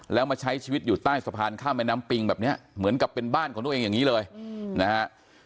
แล้วมาใช้ชีวิตอยู่ใต้สะพานข้ามแม่น้ำปิงแบบนี้เหมือนกับเป็นบ้านของตัวเองอย่างนี้เลยนะฮะ